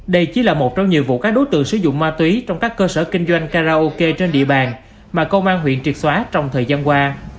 đây chỉ là một trong nhiều vụ các đối tượng sử dụng ma túy trong các cơ sở kinh doanh karaoke trên địa bàn mà công an huyện triệt xóa trong thời gian qua